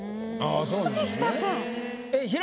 そうでしたか。